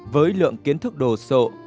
với lượng kiến thức đồ sộ